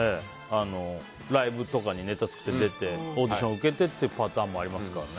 ライブとかにネタ作って出てオーディションを受けてっていうパターンもありますからね。